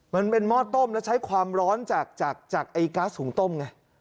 มันเป็นหม้อต้มแล้วใช้ความร้อนจากก๊าซหุงต้มไง